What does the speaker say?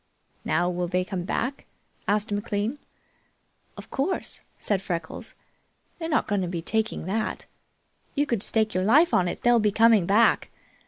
"Now, will they come back?" asked McLean. "Of course!" said Freckles. "They're not going to be taking that. You could stake your life on it, they'll be coming back.